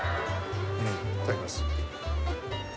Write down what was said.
うんいただきます